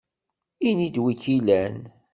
Ini-d wi k-ilan!